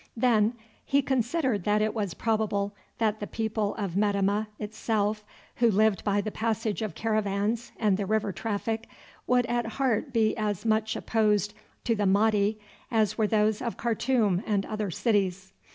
Then he considered that it was probable that the people of Metemmeh itself, who lived by the passage of caravans and the river traffic, would at heart be as much opposed to the Mahdi as were those of Khartoum and other cities.